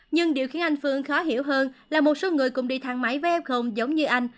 nhưng điều khiến anh phương khó hiểu hơn là một số người cùng đi thang máy với f giống như anh